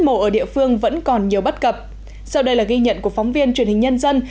mổ ở địa phương vẫn còn nhiều bất cập sau đây là ghi nhận của phóng viên truyền hình nhân dân